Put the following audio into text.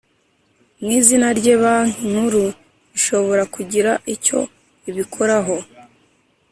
mu izina rye Banki Nkuru ishobora kugira icyo ibikoraho